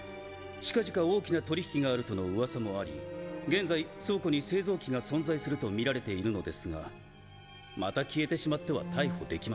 近々大きな取引があるとの噂もあり現在倉庫に製造機が存在するとみられているのですがまた消えてしまっては逮捕できません。